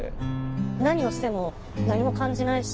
「何をしても何も感じないし」。